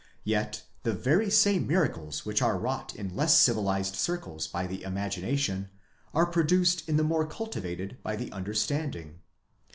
Yet the very same miracles which are wrought in less civilized circles by the imagination, are produced in the more cultivated by the understanding.